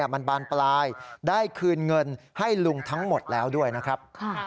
มันบานปลายได้คืนเงินให้ลุงทั้งหมดแล้วด้วยนะครับ